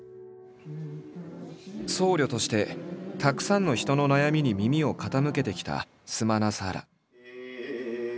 僧侶としてたくさんの人の悩みに耳を傾けてきたスマナサーラ。